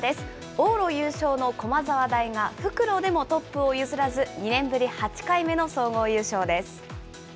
往路優勝の駒沢大が復路でもトップを譲らず、２年ぶり８回目の総合優勝です。